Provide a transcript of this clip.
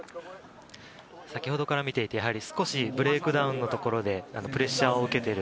先ほどから見ていて、少しブレイクダウンのところでプレッシャーを受けている。